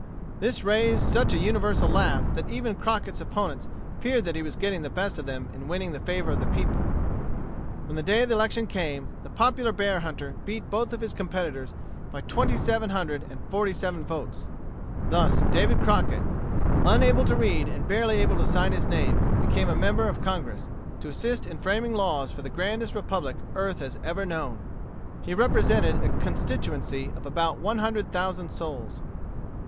This raised such a universal laugh that even Crockett's opponents feared that he was getting the best of them in winning the favor of the people. When the day of election came, the popular bear hunter beat both of his competitors by twenty seven hundred and forty seven votes. Thus David Crockett, unable to read and barely able to sign his name, became a member of Congress, to assist in framing laws for the grandest republic earth has ever known. He represented a constituency of about one hundred thousand souls.